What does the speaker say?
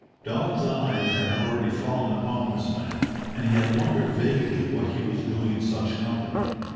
Dodds's eyes had already fallen upon this man, and he had wondered vaguely what he was doing in such company.